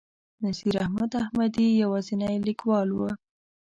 نصیر احمد احمدي یوازینی لیکوال و.